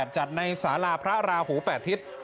จัดในสาราพระราหู๘ทิศ